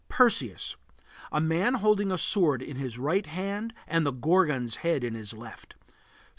PERSEUS. A man holding a sword in his right hand and the Gorgon's head in his left.